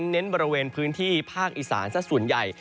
เน้นบริเวณพื้นที่ภาคอีสานสักส่วนใหญ่